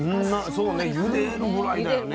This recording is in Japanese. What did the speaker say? そうねゆでるぐらいだよね